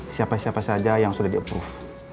siapa siapa saja yang sudah di approve